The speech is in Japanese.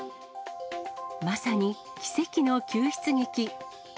まさに奇跡の救出劇。